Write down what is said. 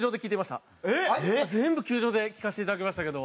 全部球場で聴かせていただきましたけど。